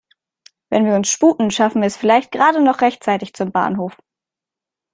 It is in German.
Wenn wir uns sputen, schaffen wir es vielleicht gerade noch rechtzeitig zum Bahnhof.